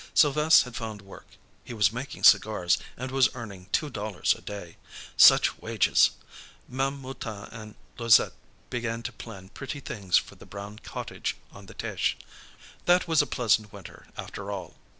Sylves' had found work. He was making cigars, and was earning two dollars a day. Such wages! Ma'am Mouton and Louisette began to plan pretty things for the brown cottage on the Teche. That was a pleasant winter, after all.